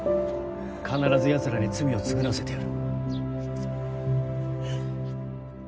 必ずヤツらに罪を償わせてやる。